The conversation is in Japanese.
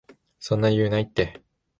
そんな余裕ないって